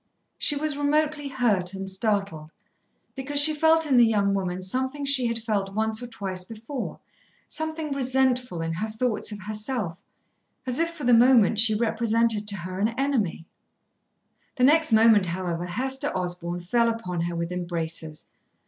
She was remotely hurt and startled, because she felt in the young woman something she had felt once or twice before, something resentful in her thoughts of herself, as if for the moment she represented to her an enemy. The next moment, however, Hester Osborn fell upon her with embraces.